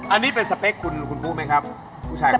อันนี้เป็นสเปคคุณปุ๊ไหมครับ